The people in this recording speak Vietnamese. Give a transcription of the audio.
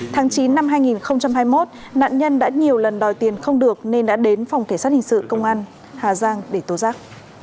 tháng chín năm hai nghìn hai mươi một nạn nhân đã nhiều lần đòi tiền không được nên đã đến phòng kể sát hình sự công an hà giang để tố giác